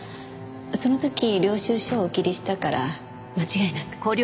その時領収書をお切りしたから間違いなく。